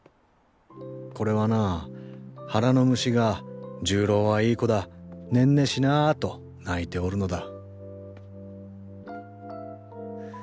これはな腹の虫が「重郎はいい子だねんねしな」と鳴いておるのだ。